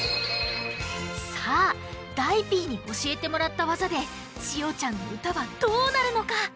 さあだいＰにおしえてもらったワザでちおちゃんのうたはどうなるのか？